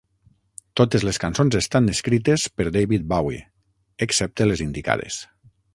Totes les cançons estan escrites per David Bowie, excepte les indicades.